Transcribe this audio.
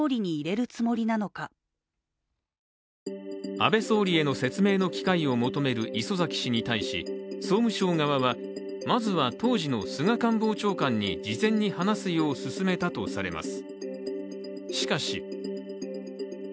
安倍総理への説明の機会を求める礒崎氏に対し総務省側は、まずは当時の菅官房長官に事前に話すよう勧めたとされます。